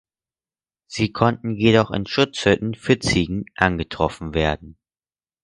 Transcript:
Sie konnte jedoch in Schutzhütten für Ziegen angetroffen werden.